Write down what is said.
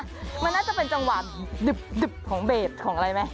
มันน่าจะเป็นจังหวะดึบของเบสของอะไรไหม